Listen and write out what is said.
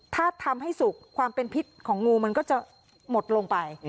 ถ้าทำให้สุกความเป็นพิษของงูมันก็จะหมดลงไป